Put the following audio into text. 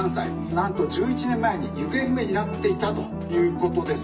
なんと１１年前に行方不明になっていたということです」。